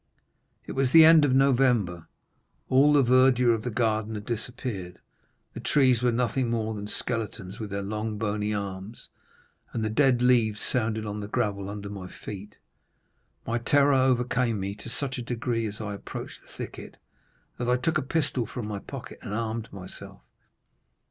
"It was the end of November, all the verdure of the garden had disappeared, the trees were nothing more than skeletons with their long bony arms, and the dead leaves sounded on the gravel under my feet. My terror overcame me to such a degree as I approached the thicket, that I took a pistol from my pocket and armed myself.